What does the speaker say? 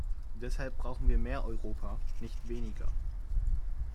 Deshalb brauchen wir mehr Europa, nicht weniger.